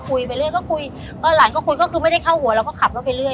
ไปเรื่อยก็คุยหลานก็คุยก็คือไม่ได้เข้าหัวเราก็ขับรถไปเรื่อย